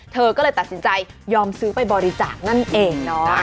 เธอก็เลยตัดสินใจยอมซื้อไปบริจาคนั่นเองเนาะ